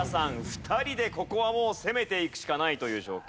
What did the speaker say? ２人でここはもう攻めていくしかないという状況です。